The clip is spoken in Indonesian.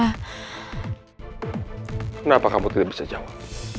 kenapa kamu tidak bisa jawab